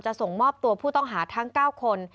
ส่งมอบตัวผู้ต้องหาทั้ง๙คน